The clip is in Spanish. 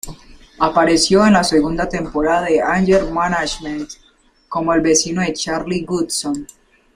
Apareció en la segunda temporada de "Anger Management" como el vecino de Charlie Goodson.